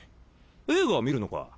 映画は見るのか？